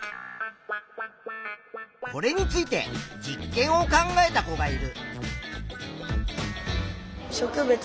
これについて実験を考えた子がいる。